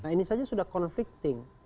ini saja sudah conflicting